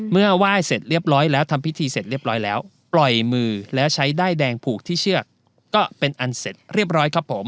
เมื่อไหว้เสร็จเรียบร้อยแล้วทำพิธีเสร็จเรียบร้อยแล้วปล่อยมือแล้วใช้ด้ายแดงผูกที่เชือกก็เป็นอันเสร็จเรียบร้อยครับผม